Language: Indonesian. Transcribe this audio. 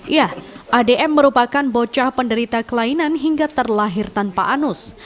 ya adm merupakan bocah penderita kelainan hingga terlahir tanpa anus